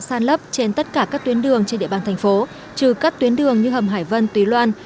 san lấp trên tất cả các tuyến đường trên địa bàn thành phố trừ các tuyến đường như hầm hải vân tùy loan